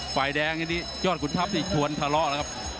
ฝ่ายแดงนี่ยอดกุธรรพที่ชวนทะเลาะครับ